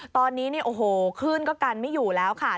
ตอนนี้โอ้โฮคลื่นก็กันไม่อยู่แล้วค่ะ